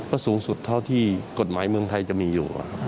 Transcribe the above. ก็สูงสุดเท่าที่กฎหมายเมืองไทยจะมีอยู่